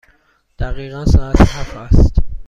دقیقاً ساعت هفت است.